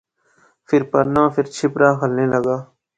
فیر پرنا، فیر چھپرا ہلنے لاغا